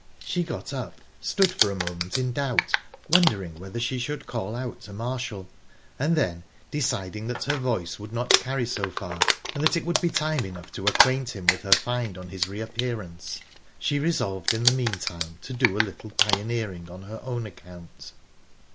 She got up, stood for a moment in doubt, wondering whether she should call out to Marshall, and then, deciding that her voice would not carry so far, and that it would be time enough to acquaint him with her find on his reappearance, she resolved in the meantime to do a little pioneering on her own account.